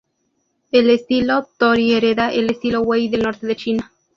El estilo Tori hereda el estilo Wei del norte de China.